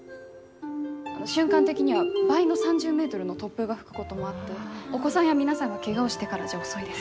瞬間的には倍の３０メートルの突風が吹くこともあってお子さんや皆さんがけがをしてからじゃ遅いです。